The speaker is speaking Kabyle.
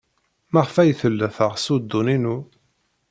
Maɣef ay tella teɣs uḍḍun-inu?